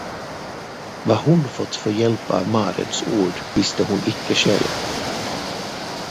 Vad hon fått för hjälp av Marens ord, visste hon icke själv.